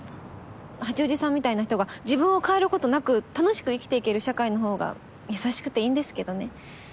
八王子さんみたいな人が自分を変えることなく楽しく生きていける社会のほうが優しくていいんですけどね。